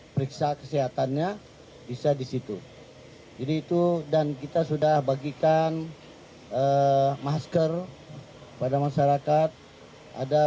periksa kesehatannya bisa disitu jadi itu dan kita sudah bagikan masker pada masyarakat ada